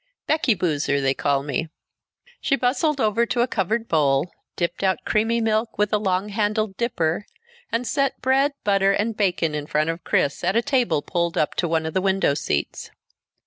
Becky Boozer, they call me." She bustled over to a covered bowl, dipped out creamy milk with a long handled dipper, and set bread, butter, and bacon in front of Chris at a table pulled up to one of the window seats.